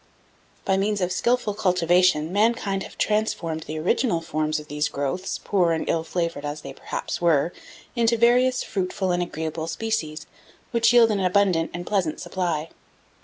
By means of skilful cultivation, mankind have transformed the original forms of these growths, poor and ill flavoured as they perhaps were, into various fruitful and agreeable species, which yield an abundant and pleasant supply.